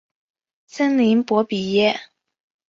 森林博比耶。